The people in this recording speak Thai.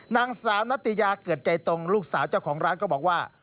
นางสาวนัตยาเกิดใจตรงลูกสาวเจ้าของร้านก็บอกว่า